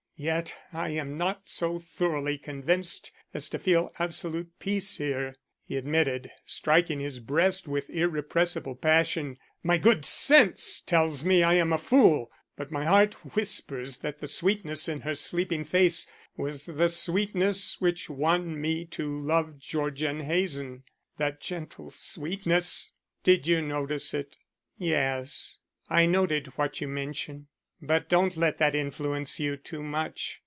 "Yet I am not so thoroughly convinced as to feel absolute peace here," he admitted, striking his breast with irrepressible passion. "My good sense tells me I am a fool, but my heart whispers that the sweetness in her sleeping face was the sweetness which won me to love Georgian Hazen. That gentle sweetness! Did you note it?" "Yes, I noted what you mention. But don't let that influence you too much.